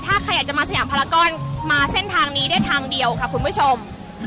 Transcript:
ถ้าใครอยากจะมาสยามพลากรมาเส้นทางนี้ได้ทางเดียวค่ะคุณผู้ชม